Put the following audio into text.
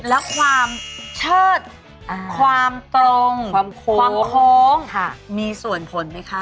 แล้วความเชิดความตรงความโค้งมีส่วนผลไหมคะ